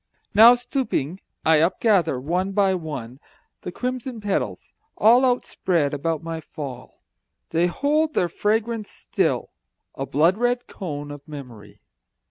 Now, stooping, I upgather, one by one, The crimson petals, all Outspread about my fall. They hold their fragrance still, a blood red cone Of memory.